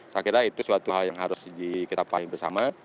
saya kira itu suatu hal yang harus kita pahami bersama